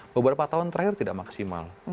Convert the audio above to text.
beberapa tahun terakhir tidak maksimal